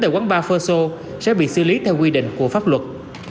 tại quán bar phơ sô sẽ bị xử lý theo quy định của pháp luật